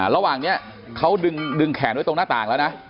ระหว่างนี้เขาดึงแขนไว้ตรงหน้าต่างแล้วนะ